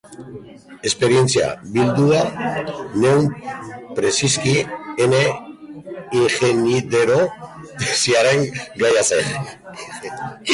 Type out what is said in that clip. Esperientzia bildua nuen, preseski ene ingenidore tesiaren gaia zen.